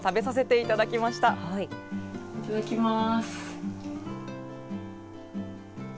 いただきます。